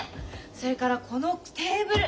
それからこのテーブル。